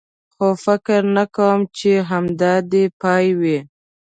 خو فکر نه کوم، چې همدا دی یې پای وي.